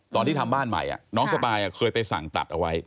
ตอนที่ทำบ้านใหม่น้องสปายเคยไปสั่งตัดเอาไว้